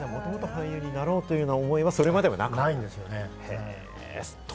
もともと俳優になろうという思いは、それまではなかった。